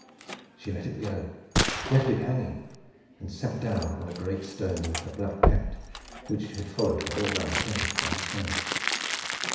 She let it go, left it hanging, and sat down on a great stone, with her black cat, which had followed her all round the cave, by her side.